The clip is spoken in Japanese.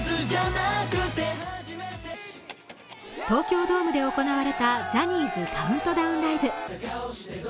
東京ドームで行われたジャニーズカウントダウンライブ。